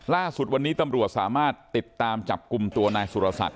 ล่าสุดวันนี้ตำรวจสามารถติดตามจับกลุ่มตัวนายสุรศักดิ